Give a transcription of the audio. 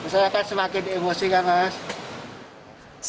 saya kan semakin emosi kan mas